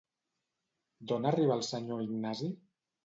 D'on arriba el senyor Ignasi?